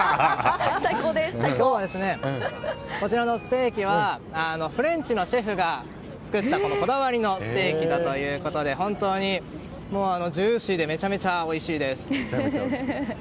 今日はですねこちらのステーキはフレンチのシェフが作ったこだわりのステーキだということで本当にジューシーでめちゃめちゃおいしいです。